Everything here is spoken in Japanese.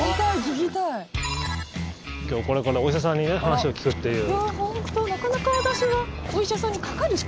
今日、これからお医者さんに話を聞くっていう。